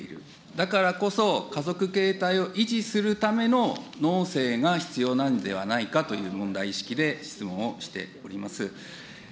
だからこそ家族経営体を維持するための農政が必要なんではないかという問題意識で、質問をしております。